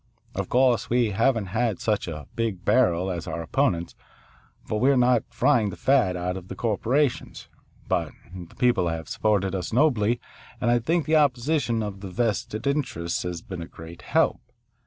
"Of course we haven't such a big 'barrel' as our opponents, for we are not frying the fat out of the corporations. But the people have supported us nobly, and I think the opposition of the vested interests has been a great help.